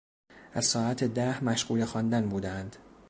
از ساعت ده مشغول خواندن بودهاند.